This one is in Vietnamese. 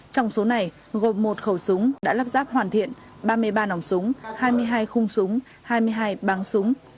trong số này gồm một khẩu súng đã lắp ráp hoàn thiện ba mươi ba nòng súng hai mươi hai khung súng hai mươi hai băng súng